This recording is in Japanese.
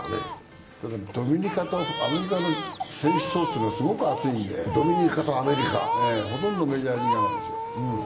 ドミニカとアメリカの選手層っていうのはすごく厚いんでほとんどメジャーリーガーなんですよ。